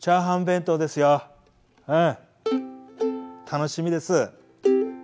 楽しみです。